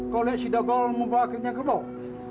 koleksi dogol membawa kerinjangan kerbau